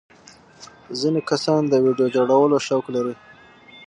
ځینې کسان د ویډیو جوړولو شوق لري.